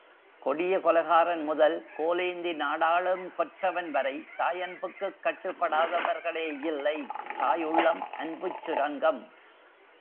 கொடிய கொலைகாரன் முதல் கோலேந்தி நாடாளும் கொற்றவன்வரை தாயன்புக்குக் கட்டுப்படாதவர்களேயில்லை, தாய் உள்ளம், அன்புச் சுரங்கம்.